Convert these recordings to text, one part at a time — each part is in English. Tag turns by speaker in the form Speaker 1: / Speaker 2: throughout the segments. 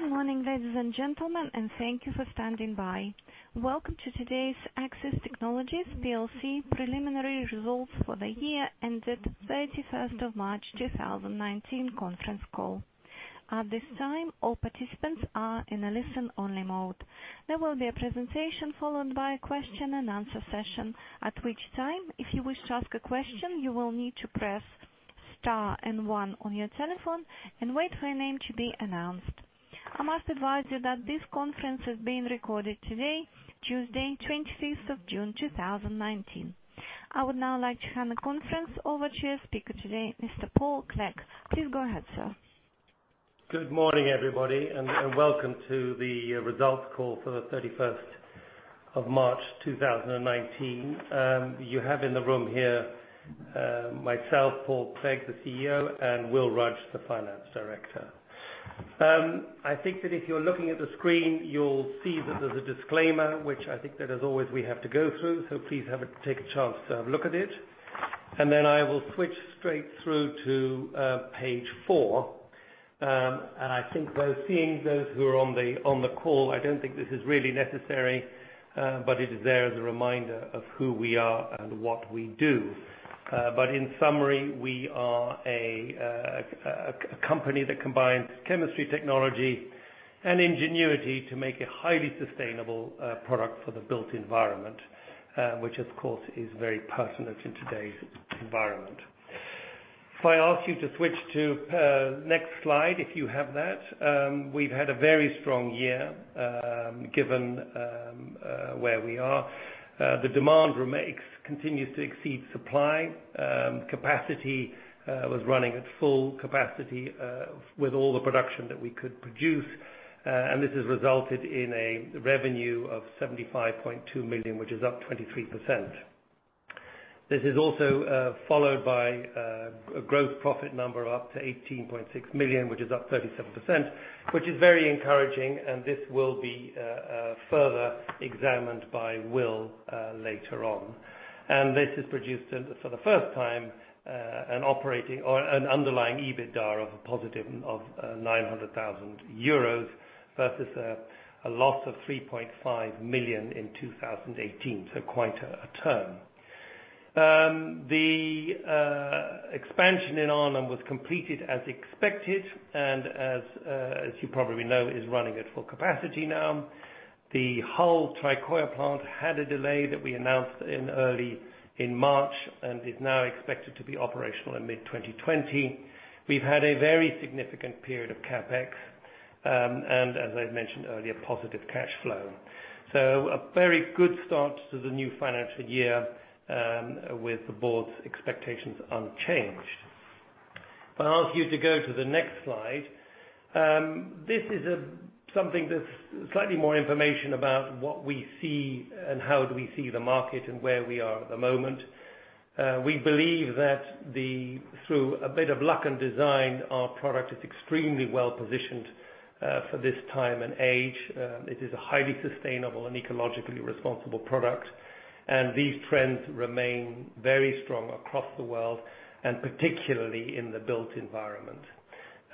Speaker 1: Good morning, ladies and gentlemen, and thank you for standing by. Welcome to today's Accsys Technologies PLC preliminary results for the year ended 31st of March 2019 conference call. At this time, all participants are in a listen-only mode. There will be a presentation followed by a question and answer session, at which time, if you wish to ask a question, you will need to press Star and One on your telephone and wait for your name to be announced. I must advise you that this conference is being recorded today, Tuesday, 25th of June, 2019. I would now like to hand the conference over to your speaker today, Mr. Paul Clegg. Please go ahead, sir.
Speaker 2: Good morning, everybody, and welcome to the results call for the 31st of March 2019. You have in the room here myself, Paul Clegg, the CEO, and Will Rudge, the finance director. I think that if you're looking at the screen, you'll see that there's a disclaimer, which I think that as always, we have to go through. Please take a chance to have a look at it, then I will switch straight through to page four. I think while seeing those who are on the call, I don't think this is really necessary, but it is there as a reminder of who we are and what we do. In summary, we are a company that combines chemistry technology and ingenuity to make a highly sustainable product for the built environment, which of course is very pertinent in today's environment. If I ask you to switch to next slide, if you have that. We've had a very strong year, given where we are. The demand continues to exceed supply. Capacity was running at full capacity with all the production that we could produce. This has resulted in a revenue of 75.2 million, which is up 23%. This is also followed by a growth profit number up to 18.6 million, which is up 37%, which is very encouraging, and this will be further examined by Will later on. This has produced for the first time, an operating or an underlying EBITDA of a positive of 900,000 euros versus a loss of 3.5 million in 2018. Quite a turn. The expansion in Arnhem was completed as expected and as you probably know, is running at full capacity now. The whole Tricoya plant had a delay that we announced in March and is now expected to be operational in mid-2020. We've had a very significant period of CapEx, and as I've mentioned earlier, positive cash flow. A very good start to the new financial year, with the board's expectations unchanged. If I ask you to go to the next slide. This is something that's slightly more information about what we see and how do we see the market and where we are at the moment. We believe that through a bit of luck and design, our product is extremely well-positioned for this time and age. It is a highly sustainable and ecologically responsible product, these trends remain very strong across the world, and particularly in the built environment.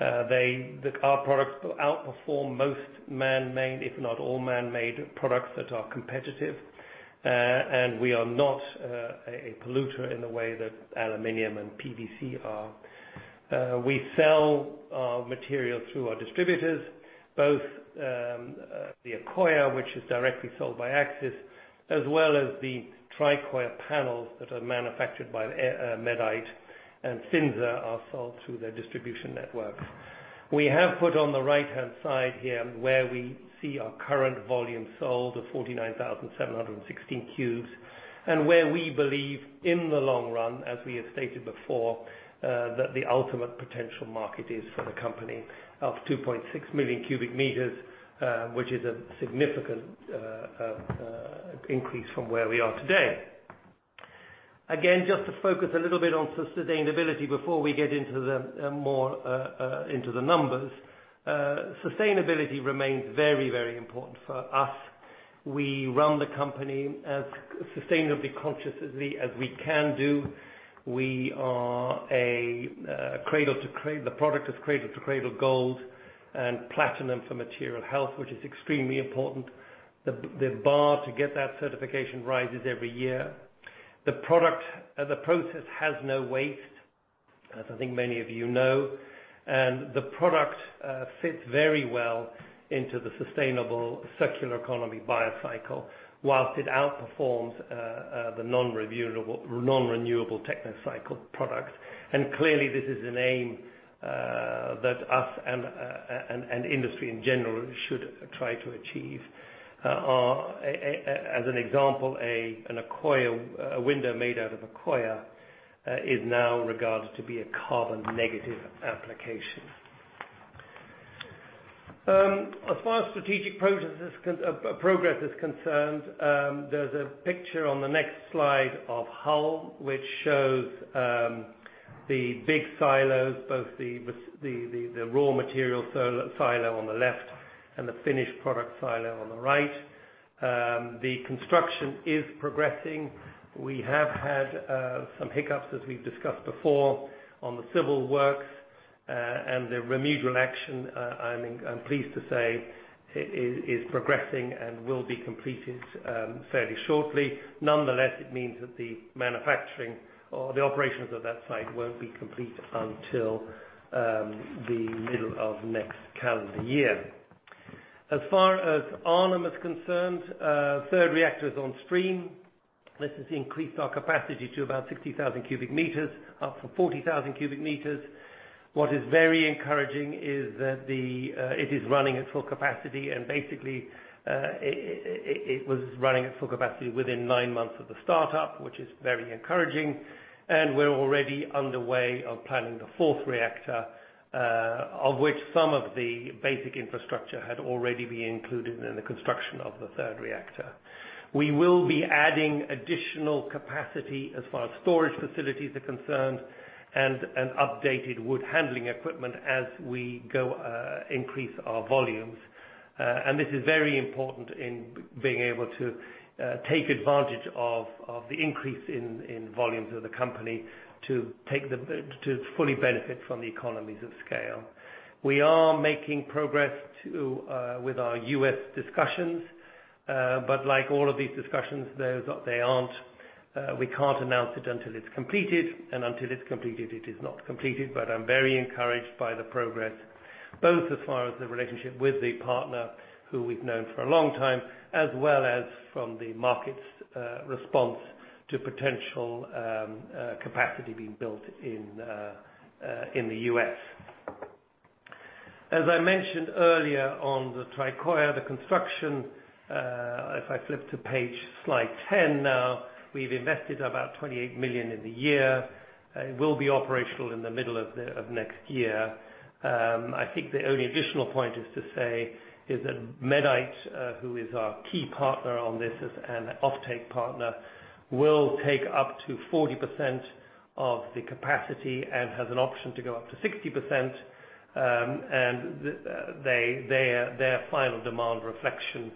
Speaker 2: Our products will outperform most man-made, if not all man-made products that are competitive. We are not a polluter in the way that aluminum and PVC are. We sell our material through our distributors, both the Accoya, which is directly sold by Accsys, as well as the Tricoya panels that are manufactured by Medite and Finsa are sold through their distribution networks. We have put on the right-hand side here, where we see our current volume sold of 49,716 cubes, where we believe in the long run, as we have stated before, that the ultimate potential market is for the company of 2.6 million cubic meters, which is a significant increase from where we are today. Just to focus a little bit on sustainability before we get more into the numbers. Sustainability remains very important for us. We run the company as sustainably consciously as we can do. The product is Cradle to Cradle gold and platinum for material health, which is extremely important. The bar to get that certification rises every year. The process has no waste, as I think many of you know. The product fits very well into the sustainable circular economy bio cycle, whilst it outperforms the non-renewable technocycle product. Clearly, this is an aim that us and industry in general should try to achieve. As an example, a window made out of Accoya is now regarded to be a carbon negative application. As far as strategic progress is concerned, there's a picture on the next slide of Hull, which shows the big silos, both the raw material silo on the left and the finished product silo on the right. The construction is progressing. We have had some hiccups, as we've discussed before, on the civil works. The remedial action, I'm pleased to say is progressing and will be completed fairly shortly. Nonetheless, it means that the manufacturing or the operations of that site won't be complete until the middle of next calendar year. As far as Arnhem is concerned, third reactor is on stream. This has increased our capacity to about 60,000 cubic meters, up from 40,000 cubic meters. What is very encouraging is that it is running at full capacity and basically, it was running at full capacity within nine months of the startup, which is very encouraging. We're already underway of planning the fourth reactor, of which some of the basic infrastructure had already been included in the construction of the third reactor. We will be adding additional capacity as far as storage facilities are concerned, and an updated wood handling equipment as we increase our volumes. This is very important in being able to take advantage of the increase in volumes of the company to fully benefit from the economies of scale. We are making progress with our U.S. discussions. Like all of these discussions, we can't announce it until it's completed, and until it's completed, it is not completed. I'm very encouraged by the progress, both as far as the relationship with the partner who we've known for a long time, as well as from the market's response to potential capacity being built in the U.S. As I mentioned earlier on the Tricoya, the construction, if I flip to page slide 10 now, we've invested about 28 million in the year. It will be operational in the middle of next year. The only additional point is to say that Medite, who is our key partner on this as an offtake partner, will take up to 40% of the capacity and has an option to go up to 60%, and their final demand reflection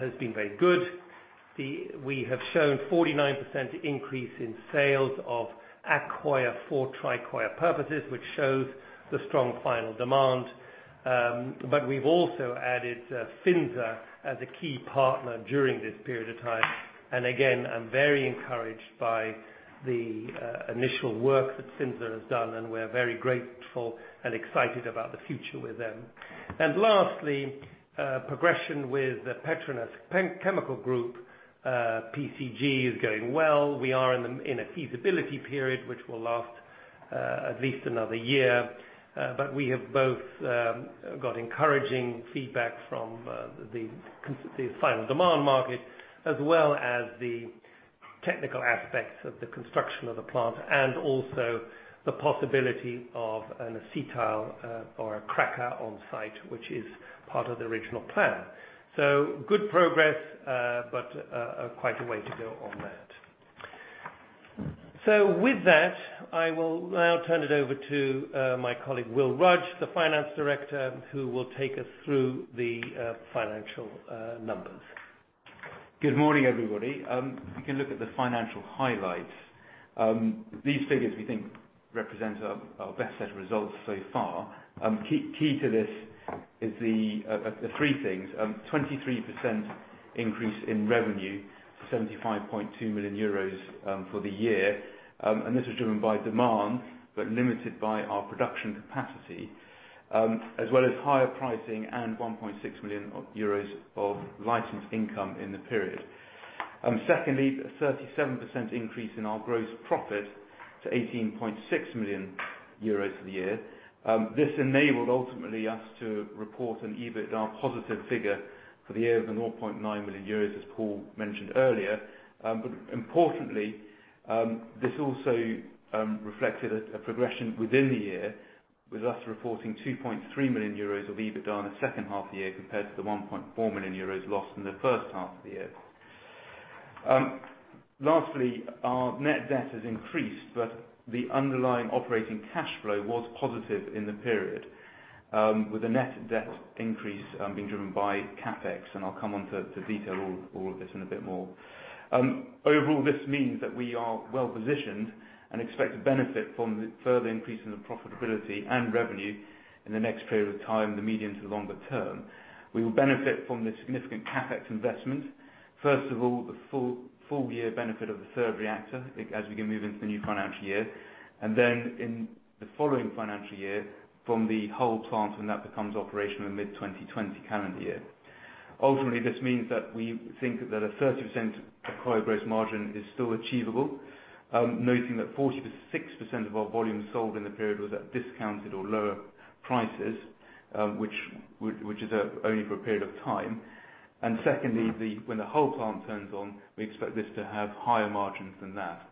Speaker 2: has been very good. We have shown 49% increase in sales of Accoya for Tricoya purposes, which shows the strong final demand. We've also added Finsa as a key partner during this period of time. Again, I'm very encouraged by the initial work that Finsa has done, and we're very grateful and excited about the future with them. Lastly, progression with the PETRONAS Chemicals Group, PCG, is going well. We are in a feasibility period, which will last at least another year. We have both got encouraging feedback from the final demand market as well as the technical aspects of the construction of the plant and also the possibility of an acetyl or a cracker on site, which is part of the original plan. Good progress, but quite a way to go on that. With that, I will now turn it over to my colleague, Will Rudge, the Finance Director who will take us through the financial numbers.
Speaker 3: Good morning, everybody. If you can look at the financial highlights. These figures we think represent our best set of results so far. Key to this is the three things, 23% increase in revenue to 75.2 million euros for the year. This was driven by demand, but limited by our production capacity, as well as higher pricing and 1.6 million euros of license income in the period. Secondly, 37% increase in our gross profit to 18.6 million euros for the year. This enabled ultimately us to report an EBITDA positive figure for the year of 0.9 million euros, as Paul mentioned earlier. Importantly, this also reflected a progression within the year with us reporting 2.3 million euros of EBITDA in the second half of the year compared to the 1.4 million euros lost in the first half of the year. Lastly, our net debt has increased, the underlying operating cash flow was positive in the period, with the net debt increase being driven by CapEx, and I'll come on to detail all of this in a bit more. Overall, this means that we are well positioned and expect to benefit from the further increase in the profitability and revenue in the next period of time, the medium to longer term. We will benefit from the significant CapEx investment. First of all, the full year benefit of the third reactor as we move into the new financial year. Then in the following financial year from the Hull plant when that becomes operational in mid-2020 calendar year. Ultimately, this means that we think that a 30% Accoya gross margin is still achievable. Noting that 46% of our volume sold in the period was at discounted or lower prices, which is only for a period of time. Secondly, when the Hull plant turns on, we expect this to have higher margins than that.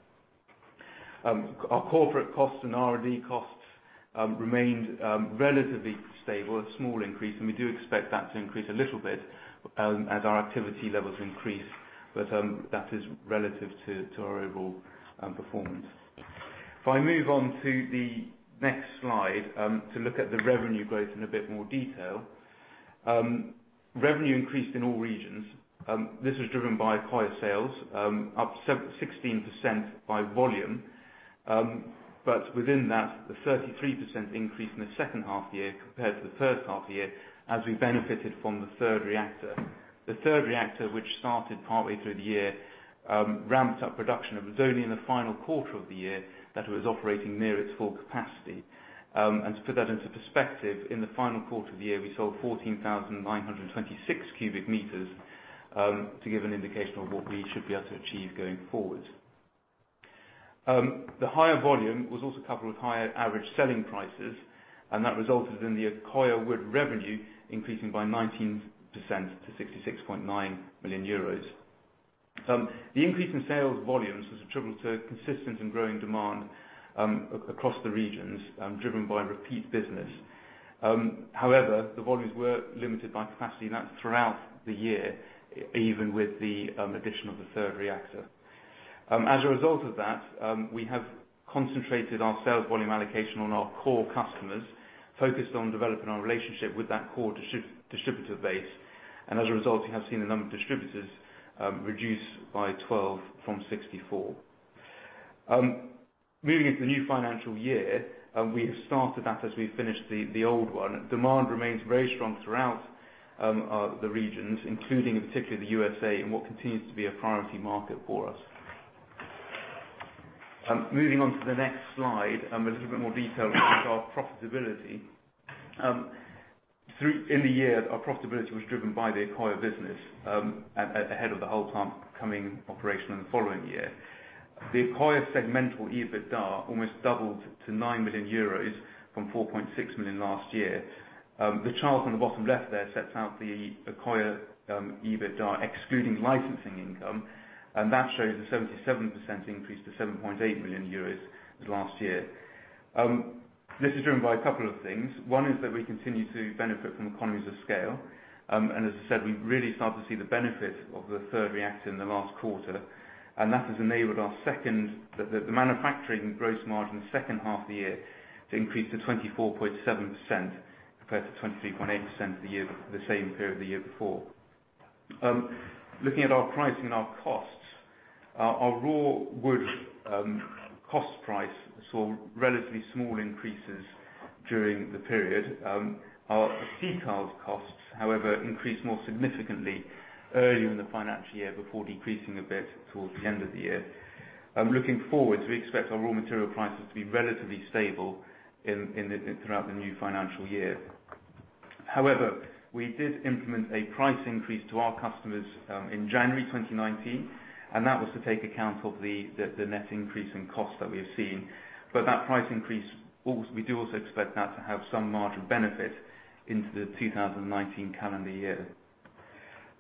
Speaker 3: Our corporate costs and R&D costs remained relatively stable at small increase, and we do expect that to increase a little bit as our activity levels increase, but that is relative to our overall performance. If I move on to the next slide to look at the revenue growth in a bit more detail. Revenue increased in all regions. This was driven by Accoya's sales up 16% by volume. Within that, the 33% increase in the second half year compared to the first half year, as we benefited from the third reactor. The third reactor, which started partly through the year, ramped up production. It was only in the final quarter of the year that it was operating near its full capacity. To put that into perspective, in the final quarter of the year, we sold 14,926 cubic meters to give an indication of what we should be able to achieve going forward. The higher volume was also coupled with higher average selling prices, and that resulted in the Accoya wood revenue increasing by 19% to 66.9 million euros. The increase in sales volumes is attributable to consistent and growing demand across the regions, driven by repeat business. The volumes were limited by capacity, and that's throughout the year, even with the addition of the third reactor. We have concentrated our sales volume allocation on our core customers, focused on developing our relationship with that core distributor base. As a result, you have seen the number of distributors reduce by 12 from 64. Moving into the new financial year, we have started that as we finished the old one. Demand remains very strong throughout the regions, including particularly the U.S.A., in what continues to be a priority market for us. Moving on to the next slide, a little bit more detail looking at our profitability. In the year, our profitability was driven by the Accoya business ahead of the whole plant coming operational in the following year. The Accoya segmental EBITDA almost doubled to 9 million euros from 4.6 million last year. The chart on the bottom left there sets out the Accoya EBITDA excluding licensing income, and that shows a 77% increase to 7.8 million euros last year. This is driven by a couple of things. One is that we continue to benefit from economies of scale. As I said, we really started to see the benefit of the third reactor in the last quarter. That has enabled the manufacturing gross margin second half of the year to increase to 24.7% compared to 23.8% the same period the year before. Looking at our pricing and our costs, our raw wood cost price saw relatively small increases during the period. Our acetic costs, however, increased more significantly earlier in the financial year before decreasing a bit towards the end of the year. Looking forward, we expect our raw material prices to be relatively stable throughout the new financial year. We did implement a price increase to our customers in January 2019, and that was to take account of the net increase in cost that we are seeing. That price increase, we do also expect that to have some margin benefit into the 2019 calendar year.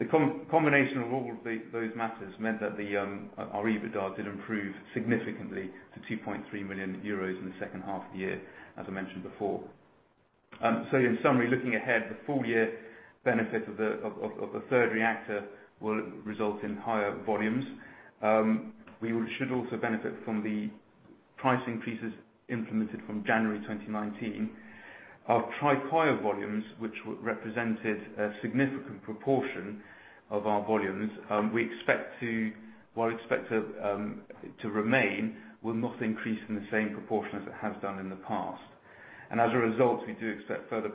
Speaker 3: The combination of all of those matters meant that our EBITDA did improve significantly to 2.3 million euros in the second half of the year, as I mentioned before. In summary, looking ahead, the full year benefit of the third reactor will result in higher volumes. We should also benefit from the price increases implemented from January 2019. Our Tricoya volumes, which represented a significant proportion of our volumes, while expected to remain, will not increase in the same proportion as it has done in the past. As a result, we do expect further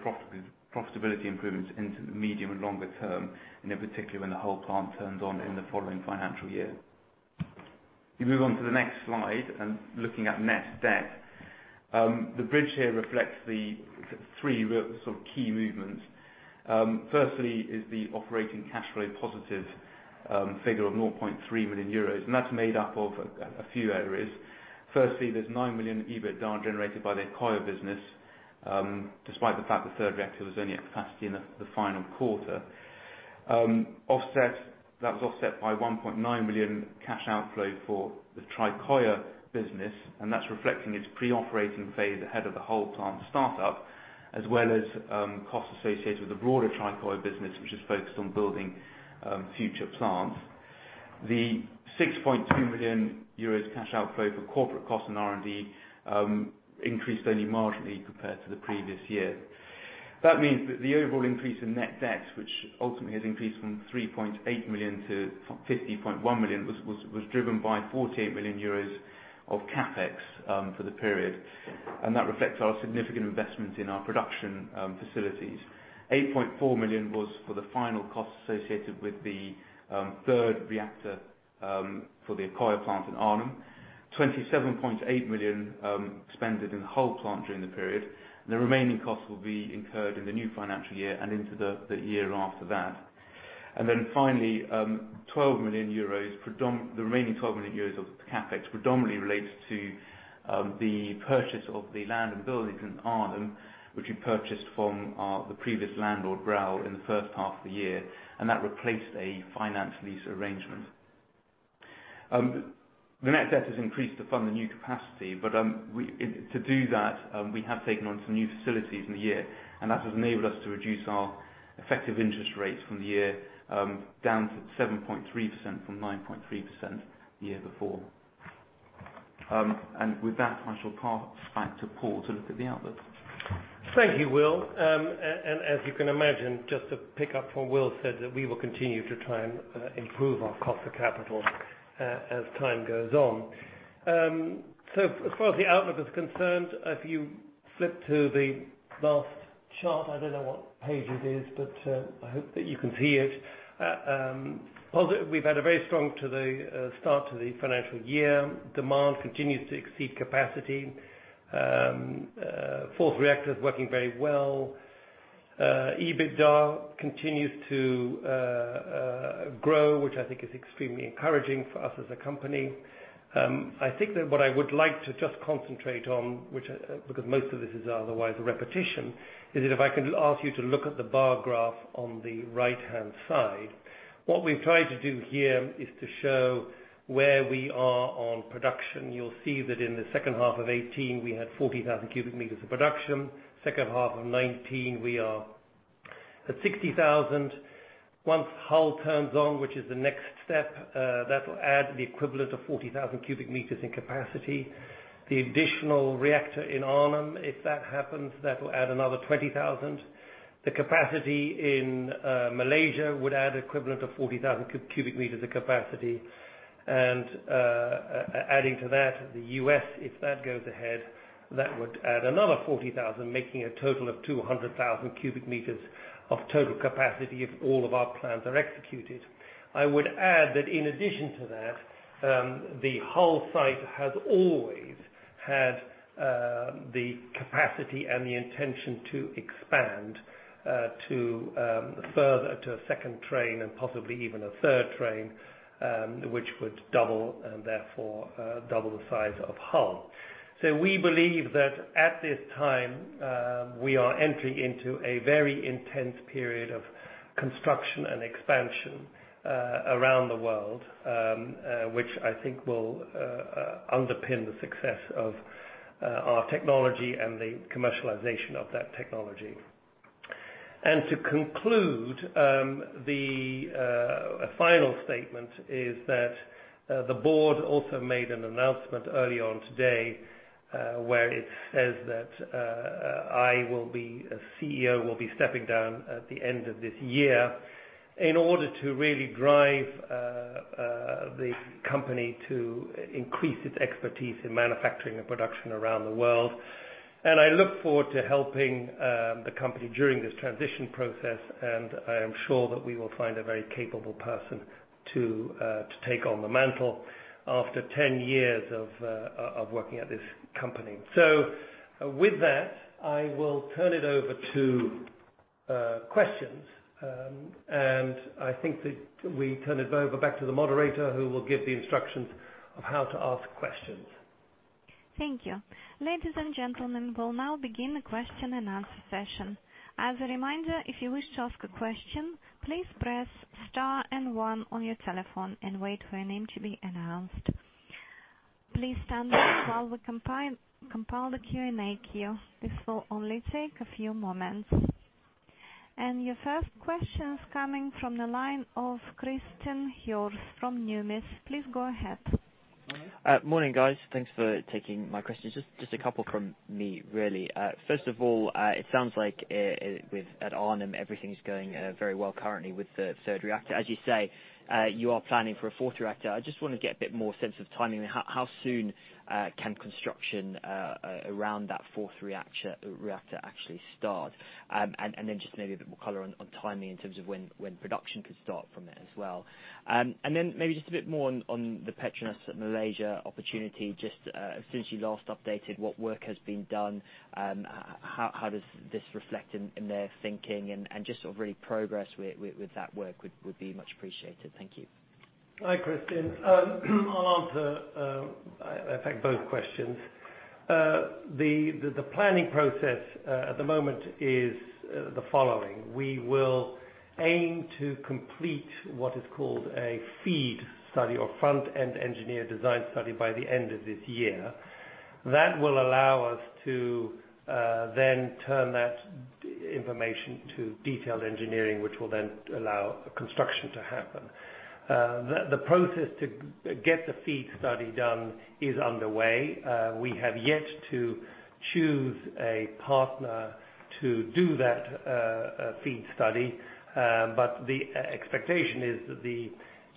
Speaker 3: profitability improvements into the medium and longer term, and in particular when the whole plant turns on in the following financial year. If we move on to the next slide and looking at net debt. The bridge here reflects the three real sort of key movements. Firstly, is the operating cash flow positive figure of 0.3 million euros. That's made up of a few areas. Firstly, there's 9 million EBITDA generated by the Accoya business, despite the fact the third reactor was only at capacity in the final quarter. That was offset by 1.9 million cash outflow for the Tricoya business. That's reflecting its pre-operating phase ahead of the whole plant startup, as well as costs associated with the broader Tricoya business, which is focused on building future plants. The 6.2 million euros cash outflow for corporate costs and R&D increased only marginally compared to the previous year. That means that the overall increase in net debt, which ultimately has increased from 3.8 million to 50.1 million, was driven by 48 million euros of CapEx for the period. That reflects our significant investment in our production facilities. 8.4 million was for the final costs associated with the third reactor for the Accoya plant in Arnhem. 27.8 million spent in the whole plant during the period. The remaining costs will be incurred in the new financial year and into the year after that. Finally, the remaining 12 million euros of CapEx predominantly relates to the purchase of the land and buildings in Arnhem, which we purchased from the previous landlord, Grouw, in the first half of the year. That replaced a finance lease arrangement. The net debt has increased to fund the new capacity, to do that, we have taken on some new facilities in the year. That has enabled us to reduce our effective interest rates from the year down to 7.3% from 9.3% the year before. With that, I shall pass back to Paul to look at the outlook.
Speaker 2: Thank you, Will. As you can imagine, just to pick up from Will said, that we will continue to try and improve our cost of capital as time goes on. As far as the outlook is concerned, if you flip to the last chart, I don't know what page it is, but I hope that you can see it. We've had a very strong start to the financial year. Demand continues to exceed capacity. Fourth reactor is working very well. EBITDA continues to grow, which I think is extremely encouraging for us as a company. I think that what I would like to just concentrate on, because most of this is otherwise repetition, is if I can ask you to look at the bar graph on the right-hand side. What we've tried to do here is to show where we are on production. You'll see that in the second half of 2018, we had 40,000 cubic meters of production. Second half of 2019, we are at 60,000. Once Hull turns on, which is the next step, that'll add the equivalent of 40,000 cubic meters in capacity. The additional reactor in Arnhem, if that happens, that will add another 20,000. The capacity in Malaysia would add equivalent of 40,000 cubic meters of capacity and adding to that, the U.S., if that goes ahead, that would add another 40,000, making a total of 200,000 cubic meters of total capacity if all of our plans are executed. I would add that in addition to that, the Hull site has always had the capacity and the intention to expand further to a second train and possibly even a third train, which would double and therefore, double the size of Hull. We believe that at this time, we are entering into a very intense period of construction and expansion around the world, which I think will underpin the success of our technology and the commercialization of that technology. To conclude, the final statement is that the board also made an announcement earlier on today, where it says that as CEO, will be stepping down at the end of this year in order to really drive the company to increase its expertise in manufacturing and production around the world. I look forward to helping the company during this transition process, and I am sure that we will find a very capable person to take on the mantle after 10 years of working at this company. With that, I will turn it over to questions. I think that we turn it over back to the moderator who will give the instructions of how to ask questions.
Speaker 1: Thank you. Ladies and gentlemen, we'll now begin the question and answer session. As a reminder, if you wish to ask a question, please press star and one on your telephone and wait for your name to be announced. Please stand by while we compile the Q&A queue. This will only take a few moments. Your first question is coming from the line of Christian Yggeseth from Numis. Please go ahead.
Speaker 4: Morning, guys. Thanks for taking my questions. Just a couple from me, really. First of all, it sounds like at Arnhem, everything's going very well currently with the third reactor. As you say, you are planning for a fourth reactor. I just want to get a bit more sense of timing. How soon can construction around that fourth reactor actually start? Then just maybe a bit more color on timing in terms of when production could start from it as well. Then maybe just a bit more on the PETRONAS Malaysia opportunity, just since you last updated, what work has been done, how does this reflect in their thinking and just sort of really progress with that work would be much appreciated. Thank you.
Speaker 2: Hi, Christian. I'll answer, in fact, both questions. The planning process at the moment is the following. We will aim to complete what is called a FEED study or Front-End Engineering Design study by the end of this year. That will allow us to then turn that information to detailed engineering, which will then allow construction to happen. The process to get the FEED study done is underway. We have yet to choose a partner to do that FEED study, but the expectation is that the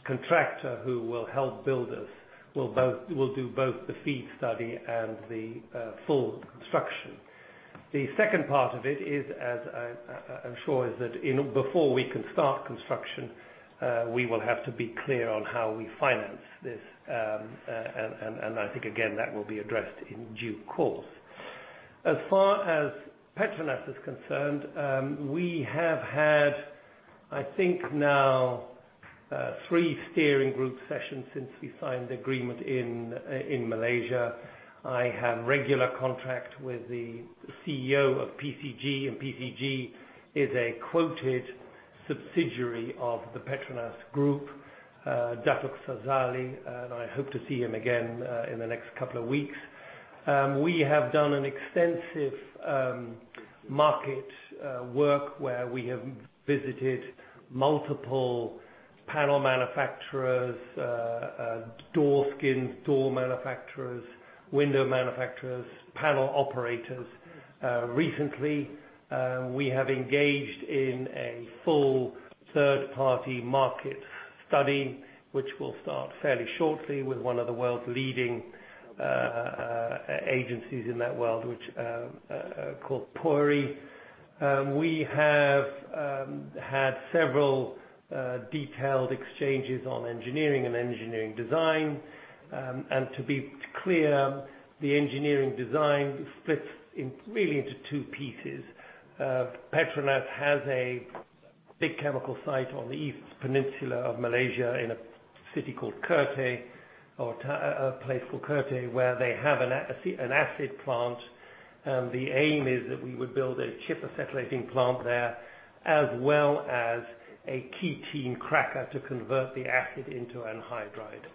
Speaker 2: contractor who will help build us will do both the FEED study and the full construction. The second part of it is as I'm sure, is that before we can start construction, we will have to be clear on how we finance this. I think again, that will be addressed in due course. As far as PETRONAS is concerned, we have had, I think now three steering group sessions since we signed the agreement in Malaysia. I have regular contract with the CEO of PCG, and PCG is a quoted subsidiary of the PETRONAS group. Sazali Hamzah, and I hope to see him again in the next couple of weeks. We have done an extensive market work where we have visited multiple panel manufacturers, door skins door manufacturers, window manufacturers, panel operators. Recently, we have engaged in a full third-party market study, which will start fairly shortly with one of the world's leading agencies in that world, called Pöyry. We have had several detailed exchanges on engineering and engineering design. To be clear, the engineering design splits really into two pieces. PETRONAS has a big chemical site on the east peninsula of Malaysia, in a city called Kerteh, where they have an acid plant. The aim is that we would build a chip acetylating plant there, as well as a ketene cracker to convert the acid into anhydride.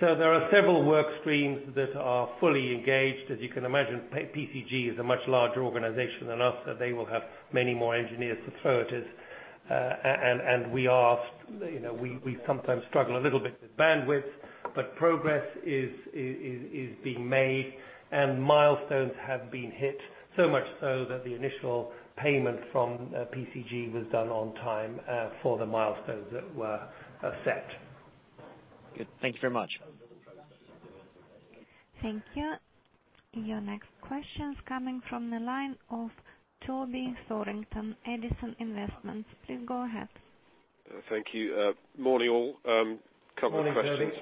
Speaker 2: There are several work streams that are fully engaged. As you can imagine, PCG is a much larger organization than us, so they will have many more engineers to throw at it. We sometimes struggle a little bit with bandwidth, progress is being made and milestones have been hit, so much so that the initial payment from PCG was done on time for the milestones that were set.
Speaker 4: Good. Thank you very much.
Speaker 1: Thank you. Your next question's coming from the line of Toby Thorrington, Edison Investments. Please go ahead.
Speaker 5: Thank you. Morning, all. Couple of questions.
Speaker 2: Morning, Toby.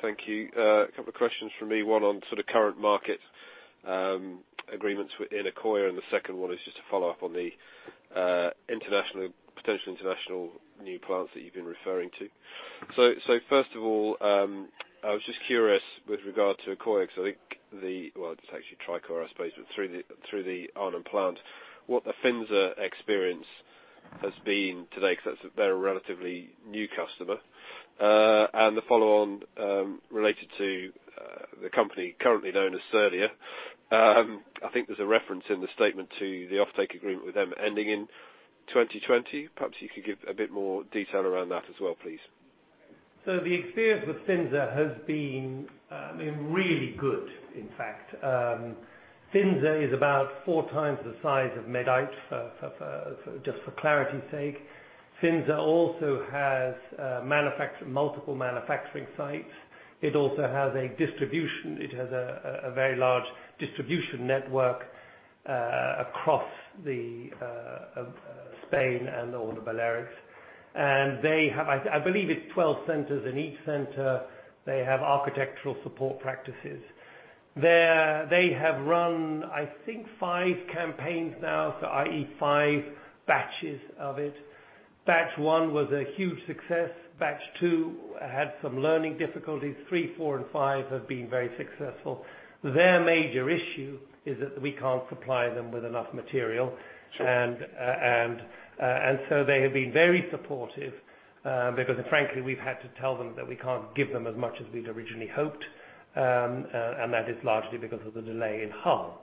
Speaker 5: Thank you. Couple of questions from me, one on sort of current market agreements in Accoya. The second one is just to follow up on the potential international new plants that you've been referring to. First of all, I was just curious with regard to Accoya, because I think the it's actually Tricoya, I suppose, but through the Arnhem plant, what the Finsa experience has been to date, because they're a relatively new customer. The follow on, related to the company currently known as Serdia. I think there's a reference in the statement to the offtake agreement with them ending in 2020. Perhaps you could give a bit more detail around that as well, please.
Speaker 2: The experience with Finsa has been really good, in fact. Finsa is about four times the size of Medite, just for clarity's sake. Finsa also has multiple manufacturing sites. It also has a very large distribution network across Spain and all the Balearics. They have, I believe it's 12 centers. In each center, they have architectural support practices. They have run, I think, five campaigns now, i.e., five batches of it. Batch one was a huge success. Batch two had some learning difficulties. Three, four and five have been very successful. Their major issue is that we can't supply them with enough material.
Speaker 5: Sure.
Speaker 2: They have been very supportive, because frankly, we've had to tell them that we can't give them as much as we'd originally hoped. That is largely because of the delay in Hull.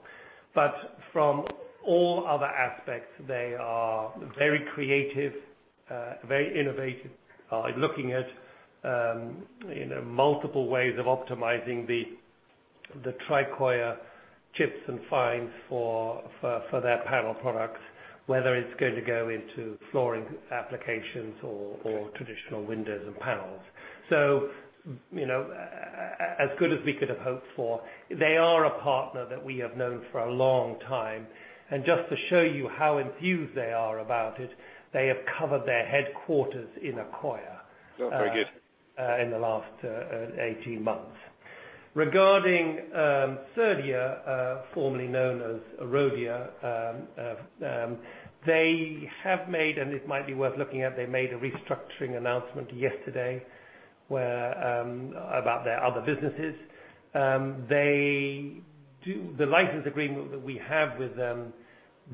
Speaker 2: From all other aspects, they are very creative, very innovative, looking at multiple ways of optimizing the Tricoya chips and fines for their panel products, whether it's going to go into flooring applications or traditional windows and panels. As good as we could have hoped for. They are a partner that we have known for a long time. Just to show you how enthused they are about it, they have covered their headquarters in Accoya-
Speaker 5: Oh, very good
Speaker 2: in the last 18 months. Regarding Serdia, formerly known as Rhodia, they have made, and it might be worth looking at, they made a restructuring announcement yesterday about their other businesses. The license agreement that we have with them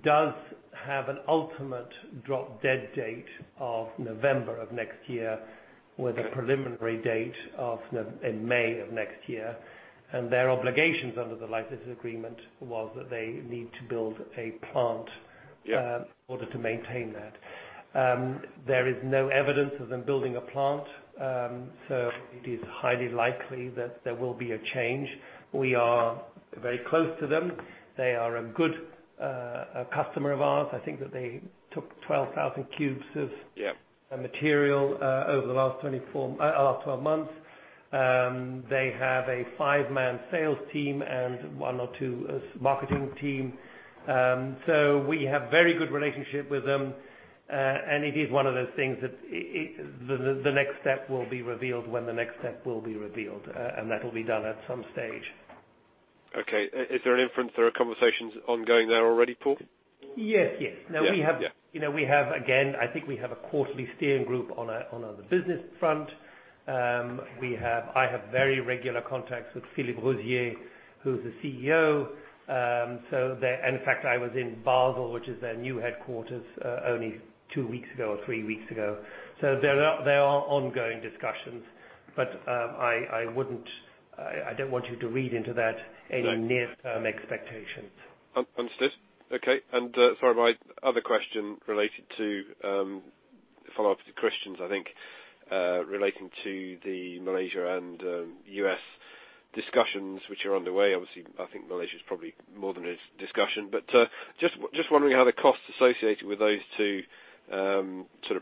Speaker 2: does have an ultimate drop dead date of November of next year, with a preliminary date in May of next year. Their obligations under the license agreement was that they need to build a plant.
Speaker 5: Yeah
Speaker 2: In order to maintain that. There is no evidence of them building a plant, it is highly likely that there will be a change. We are very close to them. They are a good customer of ours. I think that they took 12,000 cubes of-
Speaker 5: Yeah
Speaker 2: material over the last 12 months. They have a five-man sales team and one or two marketing team. We have very good relationship with them. It is one of those things that the next step will be revealed when the next step will be revealed, and that will be done at some stage.
Speaker 5: Okay. Is there an inference there are conversations ongoing there already, Paul?
Speaker 2: Yes.
Speaker 5: Yeah.
Speaker 2: I think we have a quarterly steering group on the business front. I have very regular contacts with Philippe Rosier, who is the CEO. In fact, I was in Basel, which is their new headquarters, only two weeks ago or three weeks ago. There are ongoing discussions, I don't want you to read into that any near-term expectations.
Speaker 5: Understood. Okay. Sorry, my other question related to, follow-up to Christian's, I think, relating to the Malaysia and U.S. discussions which are underway. Obviously, I think Malaysia's probably more than a discussion, just wondering how the costs associated with those two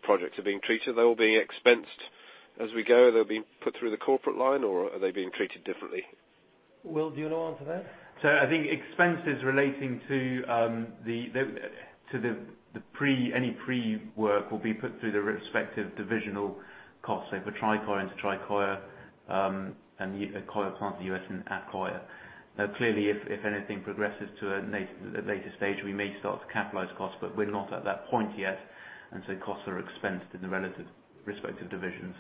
Speaker 5: projects are being treated. They're all being expensed as we go. They're being put through the corporate line or are they being treated differently?
Speaker 2: Will, do you want to answer that?
Speaker 3: I think expenses relating to any pre-work will be put through the respective divisional costs. For Tricoya into Tricoya, and the Accoya plant in the U.S. and Accoya. If anything progresses to a later stage, we may start to capitalize costs, we're not at that point yet, costs are expensed in the relative respective divisions.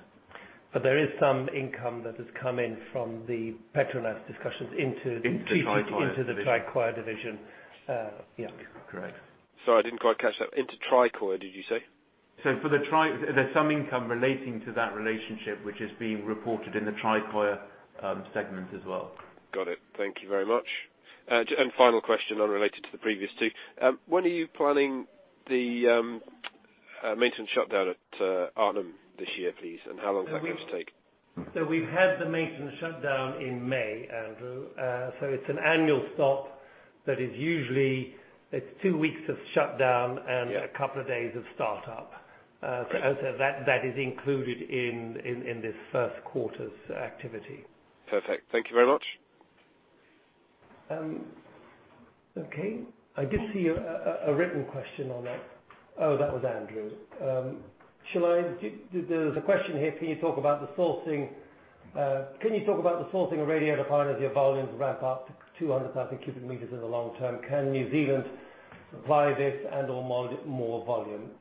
Speaker 2: There is some income that has come in from the PETRONAS discussions into the-
Speaker 3: Into the Tricoya division
Speaker 2: into the Tricoya division.
Speaker 3: Correct.
Speaker 5: Sorry, I didn't quite catch that. Into Tricoya, did you say?
Speaker 3: There's some income relating to that relationship, which is being reported in the Tricoya segment as well.
Speaker 5: Got it. Thank you very much. Final question, unrelated to the previous two. When are you planning the maintenance shutdown at Arnhem this year, please? How long is that going to take?
Speaker 2: We've had the maintenance shutdown in May, Andrew. It's an annual stop that is usually, it's two weeks of shutdown.
Speaker 5: Yeah
Speaker 2: A couple of days of startup. That is included in this first quarter's activity.
Speaker 5: Perfect. Thank you very much.
Speaker 2: Okay. I did see a written question on that. Oh, that was Andrew. There is a question here. Can you talk about the sourcing of radiata pine as your volumes ramp up to 200,000 cubic meters in the long term? Can New Zealand supply this and/or more volume?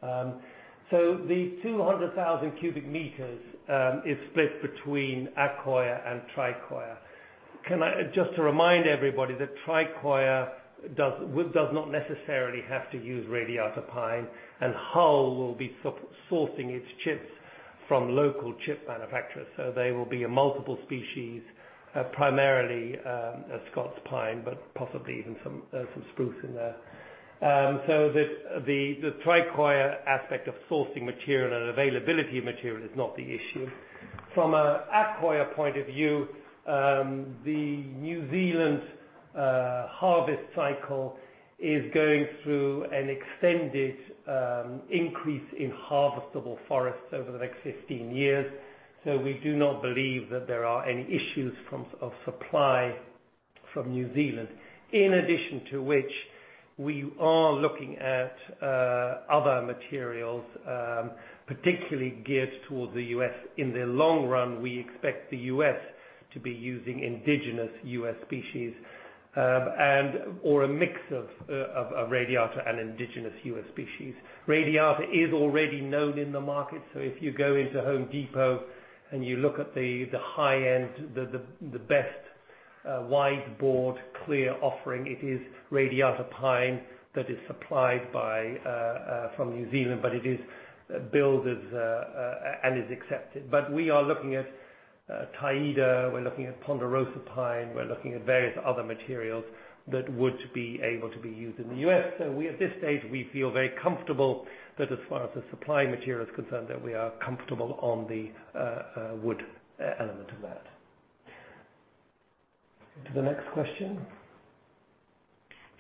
Speaker 2: The 200,000 cubic meters is split between Accoya and Tricoya. Just to remind everybody that Tricoya does not necessarily have to use radiata pine, and Hull will be sourcing its chips from local chip manufacturers. They will be a multiple species, primarily Scots pine, but possibly even some spruce in there. The Tricoya aspect of sourcing material and availability of material is not the issue. From an Accoya point of view, the New Zealand harvest cycle is going through an extended increase in harvestable forests over the next 15 years. We do not believe that there are any issues of supply from New Zealand. In addition to which, we are looking at other materials, particularly geared towards the U.S. In the long run, we expect the U.S. to be using indigenous U.S. species or a mix of radiata and indigenous U.S. species. Radiata is already known in the market. If you go into Home Depot and you look at the high-end, the best wide board clear offering, it is radiata pine that is supplied from New Zealand, but it is billed as and is accepted. We are looking at taeda, we are looking at ponderosa pine. We are looking at various other materials that would be able to be used in the U.S. At this stage, we feel very comfortable that as far as the supply material is concerned, that we are comfortable on the wood element of that. To the next question.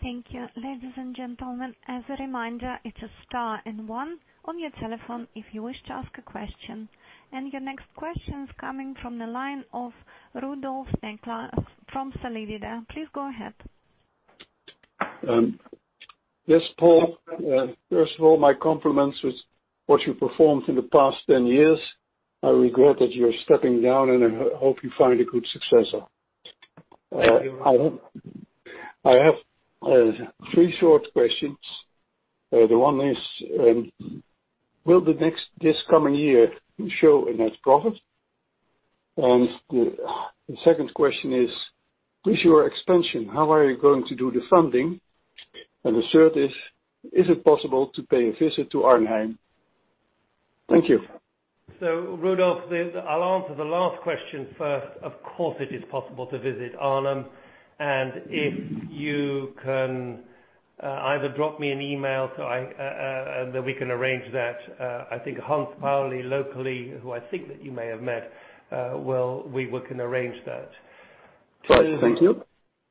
Speaker 1: Thank you. Ladies and gentlemen, as a reminder, it's a star and one on your telephone if you wish to ask a question. Your next question is coming from the line of Rudolf Engler from Solidea. Please go ahead.
Speaker 6: Yes, Paul. First of all, my compliments with what you performed in the past 10 years. I regret that you're stepping down, and I hope you find a good successor.
Speaker 2: Thank you.
Speaker 6: I have three short questions. The one is, will this coming year show a net profit? The second question is, with your expansion, how are you going to do the funding? The third is it possible to pay a visit to Arnhem? Thank you.
Speaker 2: Rudolf, I'll answer the last question first. Of course, it is possible to visit Arnhem, and if you can either drop me an email so that we can arrange that. I think Hans Pauli, locally, who I think that you may have met, we can arrange that.
Speaker 6: Right. Thank you.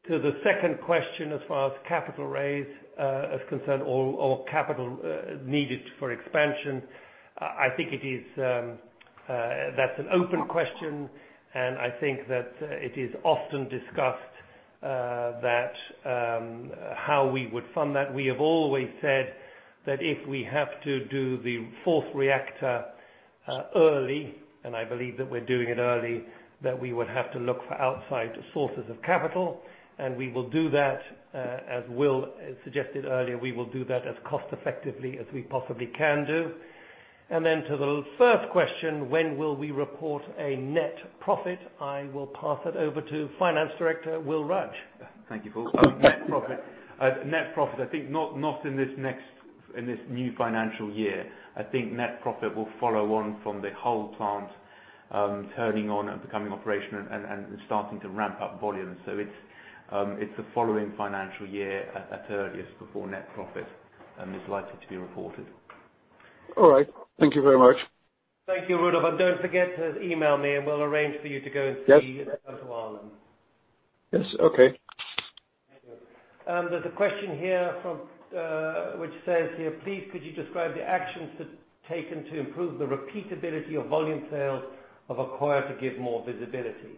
Speaker 2: To the second question, as far as capital raise is concerned or capital needed for expansion, I think that's an open question, and I think that it is often discussed how we would fund that. We have always said that if we have to do the fourth reactor early, and I believe that we're doing it early, that we would have to look for outside sources of capital, and we will do that, as Will suggested earlier, we will do that as cost effectively as we possibly can do. Then to the first question, when will we report a net profit? I will pass it over to Finance Director, Will Rudge.
Speaker 3: Thank you, Paul. Net profit, I think not in this new financial year. I think net profit will follow on from the whole plant turning on and becoming operational and starting to ramp up volumes. It's the following financial year at earliest before net profit is likely to be reported.
Speaker 6: All right. Thank you very much.
Speaker 2: Thank you, Rudolf. Don't forget to email me and we'll arrange for you to go and see.
Speaker 6: Yes
Speaker 2: Northern Ireland.
Speaker 6: Yes. Okay.
Speaker 2: Thank you. There's a question here which says here: Please could you describe the actions taken to improve the repeatability of volume sales of Accoya to give more visibility?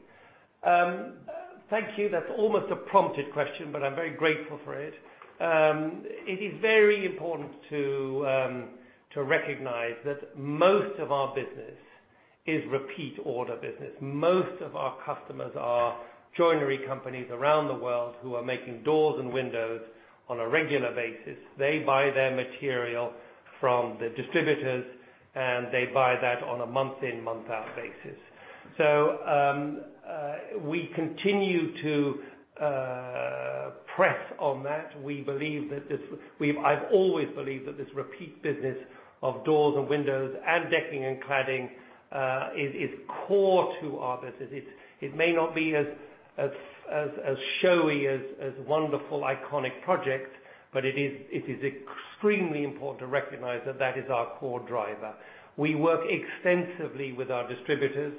Speaker 2: Thank you. That's almost a prompted question, but I'm very grateful for it. It is very important to recognize that most of our business is repeat order business. Most of our customers are joinery companies around the world who are making doors and windows on a regular basis. They buy their material from the distributors, and they buy that on a month-in, month-out basis. We continue to press on that. I've always believed that this repeat business of doors and windows and decking and cladding is core to our business. It may not be as showy as wonderful iconic projects, but it is extremely important to recognize that that is our core driver. We work extensively with our distributors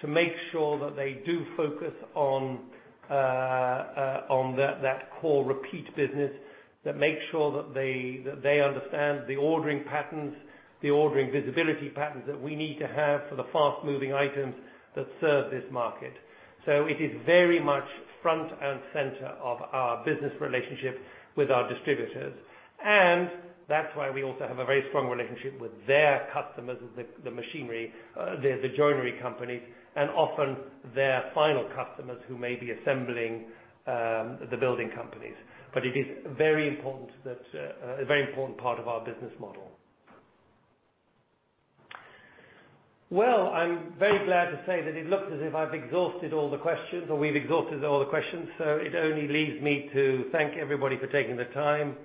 Speaker 2: to make sure that they do focus on that core repeat business, that make sure that they understand the ordering patterns, the ordering visibility patterns that we need to have for the fast-moving items that serve this market. It is very much front and center of our business relationship with our distributors. That's why we also have a very strong relationship with their customers, the joinery companies, and often their final customers who may be assembling, the building companies. It is a very important part of our business model. I'm very glad to say that it looks as if I've exhausted all the questions, or we've exhausted all the questions. It only leaves me to thank everybody for taking the time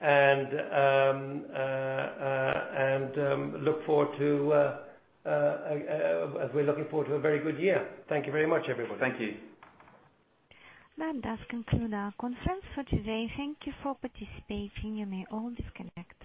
Speaker 2: and we're looking forward to a very good year. Thank you very much, everybody.
Speaker 3: Thank you.
Speaker 1: That does conclude our conference for today. Thank you for participating. You may all disconnect.